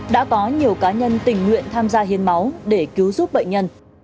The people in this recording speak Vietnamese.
đã có nhiều cá nhân tình nguyện tham gia hiến máu để cứu giúp bệnh nhân